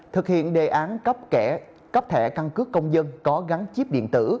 thực hiện đề án cấp thẻ căn cước công dân có gắn chip điện tử